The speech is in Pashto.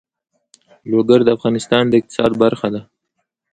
لوگر د افغانستان د اقتصاد برخه ده.